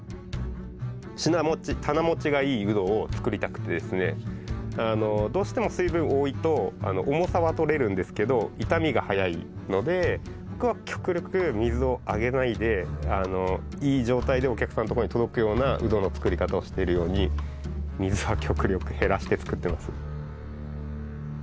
品もち棚もちがいいウドを作りたくてですねどうしても水分多いと重さはとれるんですけど傷みが早いので僕は極力水をあげないでいい状態でお客さんのとこに届くようなウドの作り方をしてるように水は極力減らして作ってます。